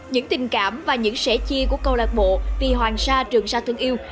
những tình cảm và những sẻ chia của câu lạc bộ vì hoàng sa trường sa thân yêu